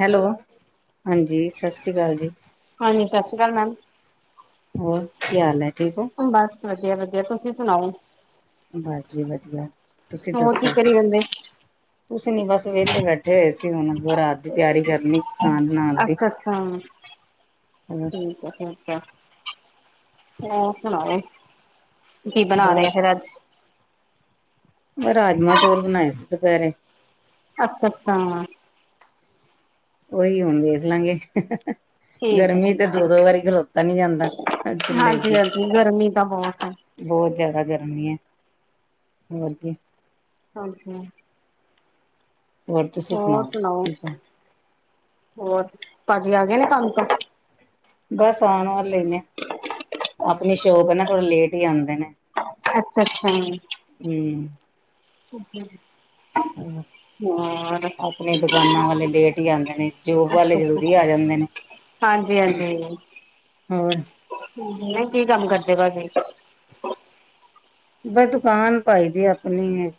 Hello, ਹਾਂਜੀ ਸਸ੍ਰੀਕਾਲ ਜੀ। ਹਾਂਜੀ, ਸਾਸਰੀਕਾਲ ਮੈਮ। ਹੋਰ ਕੀ ਹਾਲ ਐ ਠੀਕ ਓਂ? ਬਸ ਵਧੀਆ, ਵਧੀਆ ਤੁਸੀ ਸੁਣਾਓ? ਬਸ ਜੀ ਵਧੀਆ, ਤੁਸੀ ਹੋਰ ਕੀ ਦੱਸੋ? ਕਰੀ ਜਾਂਦੇ ਕੁਛ ਨੀ ਬਸ ਵੇਲੇ ਬੈਠੇ ਹੋਏ ਸੀ ਹੁਣ ਰਾਤ ਦੀ ਤਿਆਰੀ ਕਰਨੀ। ਖਾਣ ਬਣਾਉਣ ਦੀ ਅੱਛ, ਅੱਛਾ ਹੋਰ ਠੀਕ ਐ ਫੇਰ। ਹੋਰ ਸੁਣਾਓ? ਕੀ ਬਨਾ ਰਏ ਬਸ ਫਿਰ ਅੱਜ। ਬਅ ਰਾਜਮਾਂ, ਚੌਲ ਬਨਾਏ ਸੀ ਦੁਪੈਰੇ। ਅੱਛ- ਅੱਸ਼ਾਂ। ਉਈ ਹੁਨ ਵੇਖ ਲਾਂਗੇ। ਠੀਕ ਹੈ ਗਰਮੀ ਠੀਕ ਤੇ ਹੈ ਦੋ, ਦੋ ਵਾਰੀ ਖਲੋਤਾ ਨੀ ਜਾਂਦਾ ਅ ਚੁੱਲੇ ਹਾਂਜੀ ਅੱਗੇ। ਹਾਂਜੀ ਗਰਮੀ ਤਾਂ ਬਹੁਤ ਹੈ ਬੌਤ ਜਿਆਦਾ ਗਰਮੀ ਐ ਹੋਰ ਕੀ। ਹਾਂਜੀ। ਹੋਰ ਤੁਸੀਂ ਹੋਰ ਸੁਣਾਓ, ਠੀਕ ਹੋ ਹੋਰ ਭਾਜੀ ਆ ਗੇ ਨੇ ਕੰਮ ਤੋਂ? ਬਸ ਆਣ ਵਾਲੇ ਈ ਨੇ ਆਪਣੀ ਸ਼ੋਪ ਏ ਨਾ ਥੋੜਾ ਲੇਟ ਈ ਆਂਦੇ ਨੇ। ਅੱਛ -ਅੱਛਾ ਹਮ ਘੂਗੀ। [unintelligible] ਹਾਂ। [unintelligible] ਆਪਨੀ ਦੁਕਾਨਾਂ ਵਾਲੇ ਲੇਟ ਈ ਆਂਦੇ ਨੇ ਜੋਬ ਵਾਲੇ ਅੱਛਾ ਅੱਛਾ ਜਲਦੀ ਆ ਜਾਂਦੇ ਨੇ। ਹਾਂਜੀ -ਹਾਂਜੀ। ਹੋਰ? ਹੁੰ ਨਈ ਕੀ ਕੰਮ ਕਰਦੇ ਭਾਜੀ? ਬ ਦੁਕਾਨ ਪਾਈ ਦੀ ਆਪਨੀ ਏ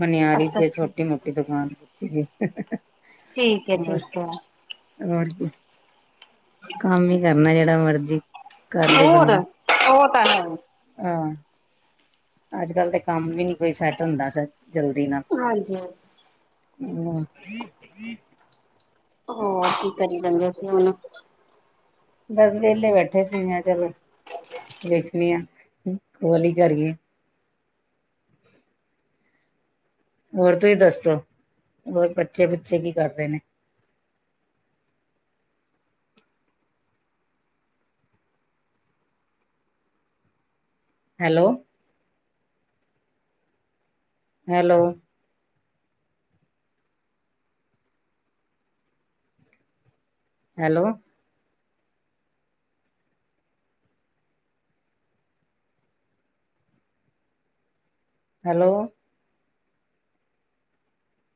ਮਨਿਆਰੀ ਅੱਛਾ ਦੀ ਛੋਟੀ ਮੋ ਟੀ ਦੁਕਾਨ ਛੋਟੀ ਜੀ। ਠੀਕ ਐ ਠੀਕ ਐ। ਔਰ ਕੀ। ਕੰਮ ਈ ਕਰਨਾ ਜੇੜਾ ਮਰਜ਼ੀ ਕਰ ਲੇ ਹੋਰ ਬੰਦਾ ਉਹ ਤਾਂ ਹੈ। ਆ। ਅੱਜ ਕੱਲ ਤੇ ਕੰਮ ਵੀ ਨੀ ਕੋਈ ਸੈੱਟ ਹੁੰਦਾ ਸ ਜਲਦੀ ਨਾਲ। ਹਾਂਜੀ -ਹਾਂ। ਨਾ। ਹੋਰ ਕੀ ਕਰੀ ਜਾਂਦੇ ਓ [unintelligible] ਬਸ ਵੇਲੇ ਬੈਠੇ ਸੀ ਮੈ ਚਲੋ। [unintelligible] [inaudible] ਵੇਖਨੇ ਆ ਓ ਲੀ ਕਰੀਏ। ਹੋਰ ਤੁਹੀ ਦੱਸੋ ਹੋਰ ਬੱਚੇ -ਬੁੱਚੇ ਕੀ ਕਰ ਰੇ ਨੇ? ਹੈਲੋ? Hello, hello? ਹੈਲੋ।